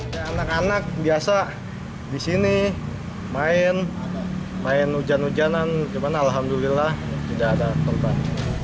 ya anak anak biasa di sini main main hujan hujanan cuman alhamdulillah tidak ada korban